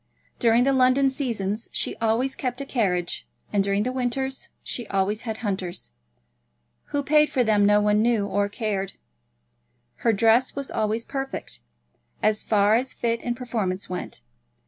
During the London seasons she always kept a carriage, and during the winters she always had hunters. Who paid for them no one knew or cared. Her dress was always perfect, as far as fit and performance went.